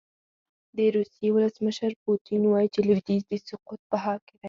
د روسیې ولسمشر پوتین وايي چې لویدیځ د سقوط په حال کې دی.